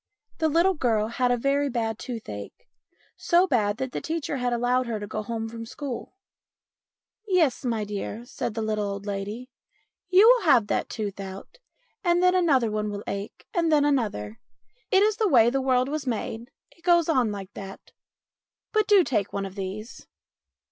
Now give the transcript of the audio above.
The little girl had very bad toothache, so bad that the teacher had allowed her to go home from school. MINIATURES 217 "Yes, my dear," said the little old lady, "you will have that tooth out, and then another one will ache, and then another. It is the way the world was made. It goes on like that. But do take one of these."